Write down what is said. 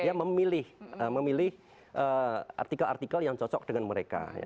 dia memilih artikel artikel yang cocok dengan mereka